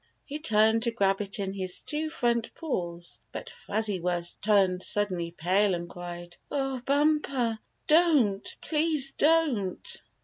He turned to grab it in his two front paws, but Fuzzy Wuzz turned suddenly pale, and cried : "Oh, Bumper, don't — please don't!"